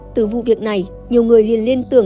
từ vụ việc này nhiều người liền liên tưởng